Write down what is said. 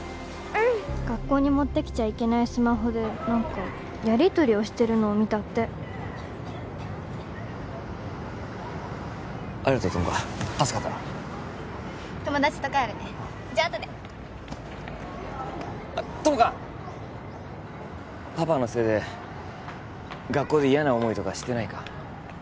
学校に持ってきちゃいけないスマホで何かやりとりをしてるのを見たってありがと友果助かった友達と帰るねじゃああとで友果パパのせいで学校で嫌な思いとかしてないか？